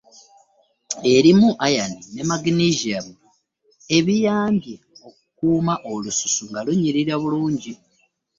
Erimu Iron ne magnesium ebiyamba okukuuma olususu nga lunyirira bulungi.